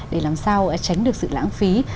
để làm sao tránh được sự lãng phí